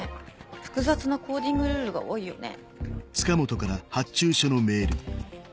複雑なコーディングルールが多いよね。